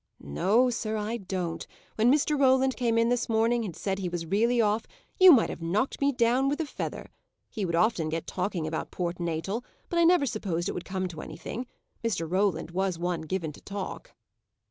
"No, sir, I don't. When Mr. Roland came in this morning, and said he was really off, you might have knocked me down with a feather. He would often get talking about Port Natal, but I never supposed it would come to anything. Mr. Roland was one given to talk."